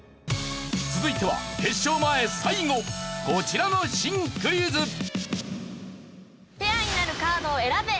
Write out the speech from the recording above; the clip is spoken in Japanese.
続いては決勝前最後こちらの新クイズ。